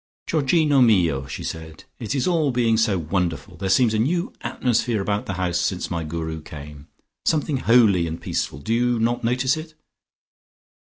"Georgino mio!" she said. "It is all being so wonderful. There seems a new atmosphere about the house since my Guru came. Something holy and peaceful; do you not notice it?"